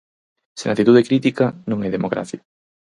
Sen actitude crítica non hai democracia.